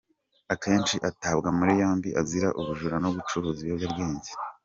Akenshi atabwa muri yombi azira ubujura no gucuruza ibiyobyabwenge.